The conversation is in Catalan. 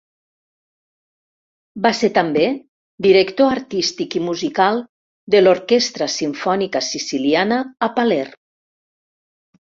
Va ser també, director artístic i musical de l'Orquestra Simfònica Siciliana a Palerm.